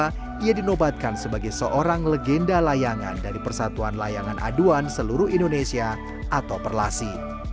pada tahun dua ribu dua puluh dua ia dinobatkan sebagai seorang legenda layangan dari persatuan layangan aduan seluruh indonesia atau perlasi